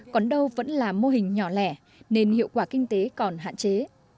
còn đâu vẫn là mô hình nhỏ lẻ nên hiệu quả kinh tế còn hạn chế